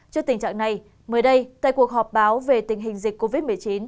trước tình trạng này mới đây tại cuộc họp báo về tình hình dịch covid một mươi chín